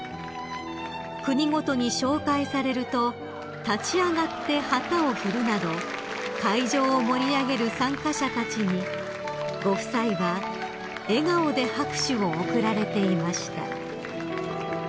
［国ごとに紹介されると立ち上がって旗を振るなど会場を盛り上げる参加者たちにご夫妻は笑顔で拍手を送られていました］